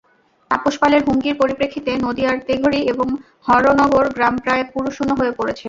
তাপস পালের হুমকির পরিপ্রেক্ষিতে নদীয়ার তেঘরি এবং হরনগর গ্রাম প্রায় পুরুষশূন্য হয়ে পড়েছে।